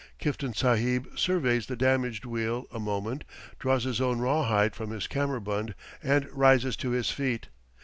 Kiftan Sahib surveys 'the damaged wheel a moment, draws his own rawhide from his kammerbund, and rises to his feet.